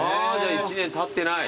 １年たってない。